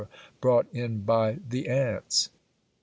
brought in by the ants.